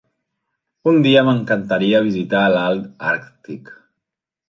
Un dia m'encantaria visitar l'alt Arctic.